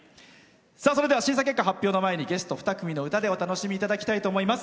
それでは、審査結果発表の前にゲスト２組の歌でお楽しみいただきたいと思います。